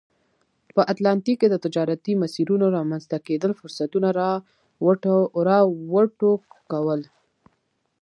په اتلانتیک کې د تجارتي مسیرونو رامنځته کېدل فرصتونه را وټوکول.